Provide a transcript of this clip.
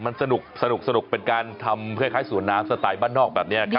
มันสนุกเป็นการทำคล้ายสวนน้ำสไตล์บ้านนอกแบบนี้ครับ